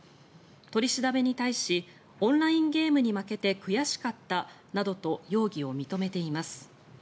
取り調べに対しオンラインゲームに負けて悔しかったなどと容疑を認めています。